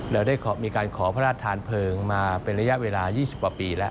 เราได้มีการขอพระราชทานเพลิงมาเป็นระยะเวลา๒๐กว่าปีแล้ว